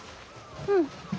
うん。